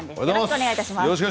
よろしくお願いします。